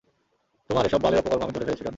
তোমার এসব বালের অপকর্ম আমি ধরে ফেলছি ডন?